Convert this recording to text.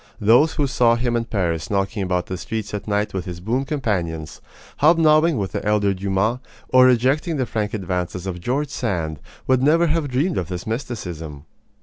Those who saw him in Paris knocking about the streets at night with his boon companions, hobnobbing with the elder Dumas, or rejecting the frank advances of George Sand, would never have dreamed of this mysticism.